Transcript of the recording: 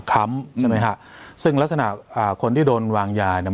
ค้ำใช่ไหมฮะซึ่งลักษณะอ่าคนที่โดนวางยาเนี่ย